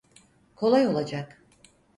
Kolay olacak.